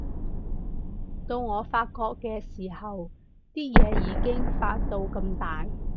到我發覺嘅時候，啲嘢已經發到咁大